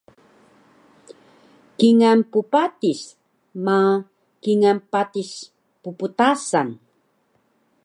Kingal ppatis ma kingal patis pptasan